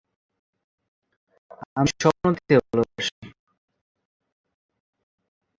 বাকী দুই আনা অন্য এলাকার জমিদাররা কিনে নেন।